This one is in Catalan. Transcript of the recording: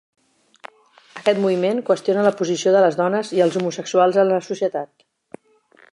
Aquest moviment qüestiona la posició de les dones i els homosexuals en la societat.